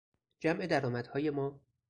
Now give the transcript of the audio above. جمع درآمدهای ما